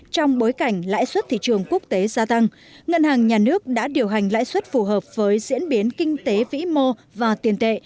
trong bối cảnh lãi suất thị trường quốc tế gia tăng ngân hàng nhà nước đã điều hành lãi suất phù hợp với diễn biến kinh tế vĩ mô và tiền tệ